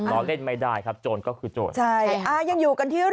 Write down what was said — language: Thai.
ล้อเล่นไม่ได้ครับโจรก็คือโจรใช่อ่ายังอยู่กันที่